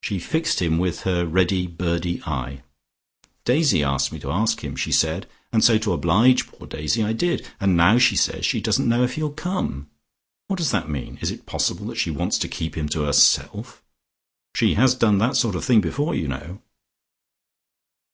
She fixed him with her ready, birdy eye. "Daisy asked me to ask him," she said, "and so to oblige poor Daisy I did. And now she says she doesn't know if he'll come. What does that mean? Is it possible that she wants to keep him to herself? She has done that sort of thing before, you know."